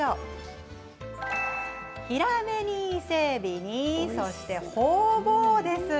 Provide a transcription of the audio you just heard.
ヒラメに伊勢えびにホウボウです。